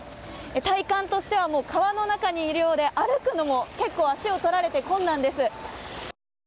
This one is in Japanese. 体感としては川の中にいるようで歩くのも結構足を取られて困難です。